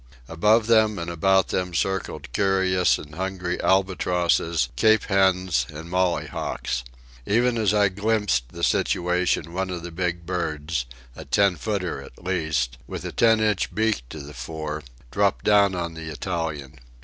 Above them and about them circled curious and hungry albatrosses, Cape hens, and mollyhawks. Even as I glimpsed the situation one of the big birds, a ten footer at least, with a ten inch beak to the fore, dropped down on the Italian.